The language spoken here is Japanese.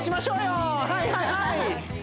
はいはいはい！